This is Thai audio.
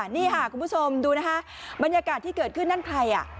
นี่ค่ะคุณผู้ชมดูนะคะบรรยากาศที่เกิดขึ้นนั่นใครอ่ะ